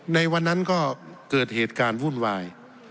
ในวันนั้นก็เกิดเหตุการณ์วุ่นวาย